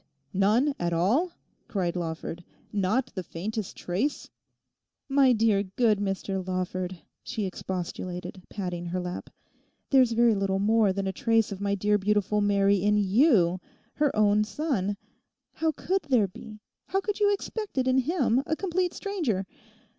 None at all!' cried Lawford; 'not the faintest trace?' 'My dear good Mr Lawford,' she expostulated, patting her lap, 'there's very little more than a trace of my dear beautiful Mary in you, her own son. How could there be—how could you expect it in him, a complete stranger?